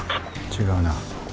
違うな。